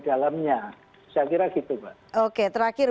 dalamnya saya kira gitu pak oke terakhir